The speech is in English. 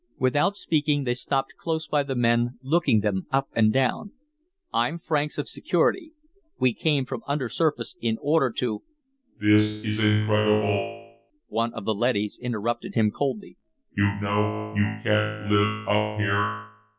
Without speaking, they stopped close by the men, looking them up and down. "I'm Franks of Security. We came from undersurface in order to " "This in incredible," one of the leadys interrupted him coldly. "You know you can't live up here.